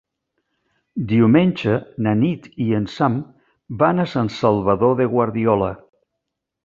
Diumenge na Nit i en Sam van a Sant Salvador de Guardiola.